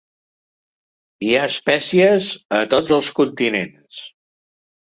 Hi ha espècies a tots els continents.